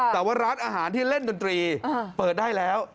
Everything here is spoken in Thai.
แต่ว่าร้านอาหารที่เล่นดนตรีเปิดได้แล้ว